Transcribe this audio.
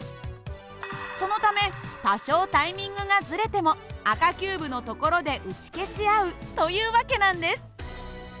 そのため多少タイミングがずれても赤キューブの所で打ち消し合うという訳なんです。